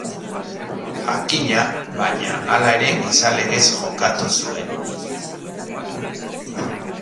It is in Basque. Jakina, baina, hala ere gizalegez jokatu zuen.